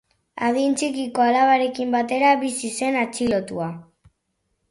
Adin txikiko alabarekin batera bizi zen atxilotua.